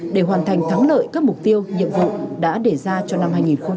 để hoàn thành thắng lợi các mục tiêu nhiệm vụ đã đề ra cho năm hai nghìn hai mươi